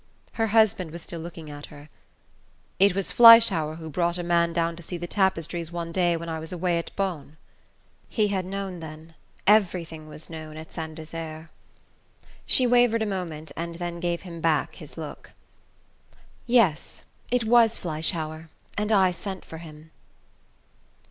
Her husband was still looking at her. "It was Fleischhauer who brought a man down to see the tapestries one day when I was away at Beaune?" He had known, then everything was known at Saint Desert! She wavered a moment and then gave him back his look. "Yes it was Fleischhauer; and I sent for him."